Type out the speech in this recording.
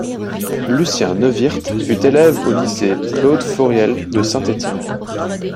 Lucien Neuwirth fut élève au lycée Claude-Fauriel de Saint-Étienne.